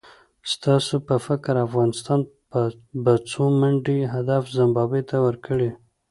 ستاسو په فکر افغانستان به څو منډي هدف زیمبابوې ته ورکړي؟